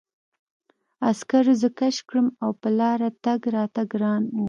عسکرو زه کش کړم او په لاره تګ راته ګران و